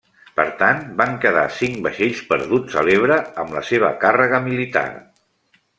Per tant, van quedar cinc vaixells perduts a l'Ebre amb la seva càrrega militar.